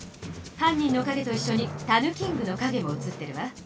犯人の影と一しょにたぬキングの影も写ってるわ。